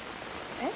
えっ？